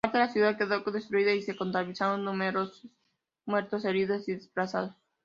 Parte de la ciudad quedó destruida, y se contabilizaron numerosos muertos, heridos y desplazados.